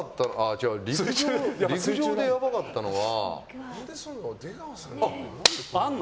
違う、陸上でやばかったのは。